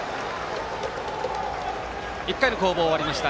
１回の攻防、終わりました。